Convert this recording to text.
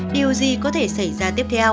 điều gì có thể xảy ra